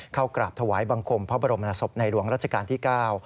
กราบถวายบังคมพระบรมศพในหลวงรัชกาลที่๙